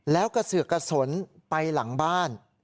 แล้วกระเสือกกระสนไปหลังบ้าน